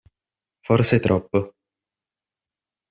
Forse troppo.